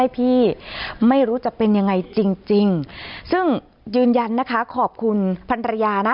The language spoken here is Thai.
พี่ไม่รู้จะเป็นยังไงจริงซึ่งยืนยันนะคะขอบคุณพันรยานะ